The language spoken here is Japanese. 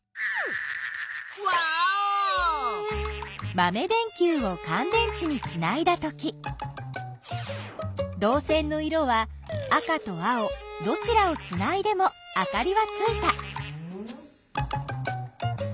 まめ電きゅうをかん電池につないだときどう線の色は赤と青どちらをつないでもあかりはついた。